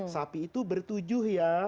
sapi itu bertujuh ya